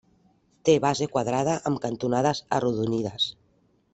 Té base quadrada amb cantonades arrodonides.